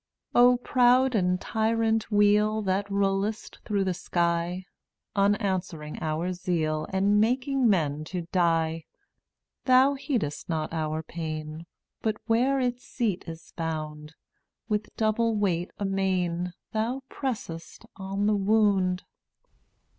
&Utt<$ ft\+ft av Oh, proud and tyrant Wheel fV ^ That rollest through the sky, (JvC/ Unanswering our zeal And making men to die, Thou heedest not our pain, But where its seat is found With double weight amain Thou pressest on the wound.